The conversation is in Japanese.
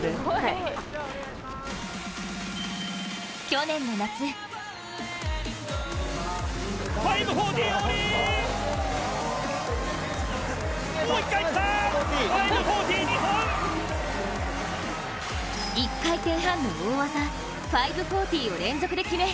去年の夏１回転半の大技５４０を連続で決め